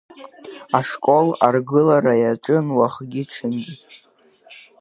Ашкол аргылара иаҿын уахгьы-ҽынгьы.